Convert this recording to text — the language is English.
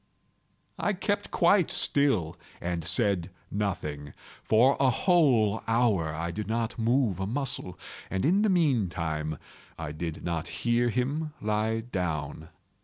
I kept quite still and said nothing. For a whole hour I did not move a muscle, and in the meantime I did not hear him lie down.